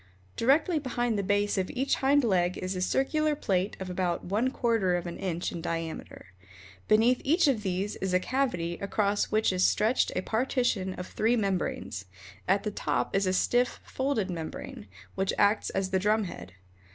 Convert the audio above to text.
Directly behind the base of each hind leg is a circular plate of about one quarter of an inch in diameter. Beneath each of these is a cavity across which is stretched a partition of three membranes. At the top is a stiff, folded membrane, which acts as a drum head.